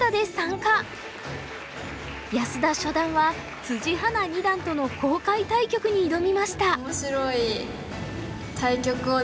安田初段は華二段との公開対局に挑みました。